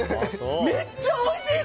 めっちゃおいしい！